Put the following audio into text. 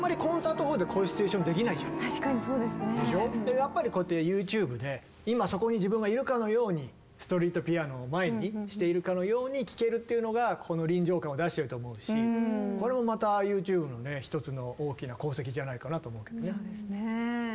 やっぱりこうやってＹｏｕＴｕｂｅで今そこに自分がいるかのようにストリートピアノを前にしているかのように聴けるっていうのがこれもまたＹｏｕＴｕｂｅのね一つの大きな功績じゃないかなと思うけどね。